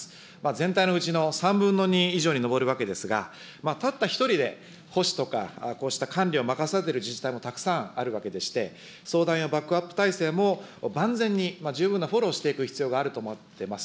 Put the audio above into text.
全体のうちの３分の２以上に上るわけですが、たった一人で保守とか、こうした管理を任されている自治体もたくさんあるわけでして、相談やバックアップ体制も万全に、十分なフォローをしていく必要があると思っています。